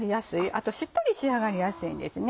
あとしっとり仕上がりやすいんですね。